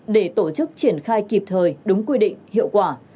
để tổ chức triển khai kịp thời đúng quy định hiệu quả